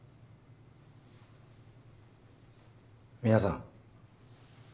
皆さん。